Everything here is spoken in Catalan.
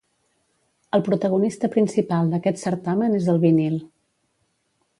El protagonista principal d’aquest certamen és el vinil.